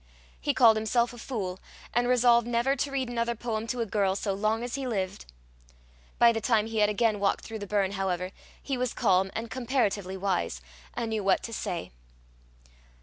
He called himself a fool, and resolved never to read another poem to a girl so long as he lived. By the time he had again walked through the burn, however, he was calm and comparatively wise, and knew what to say.